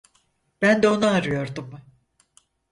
Ben de onu arıyordum.